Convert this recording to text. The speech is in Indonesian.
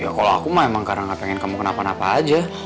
ya kalau aku mah emang karena pengen kamu kenapa napa aja